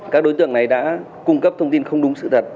các đối tượng này đã cung cấp thông tin không đúng sự thật